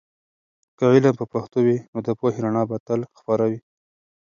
که علم په پښتو وي، نو د پوهې رڼا به تل خپره وي.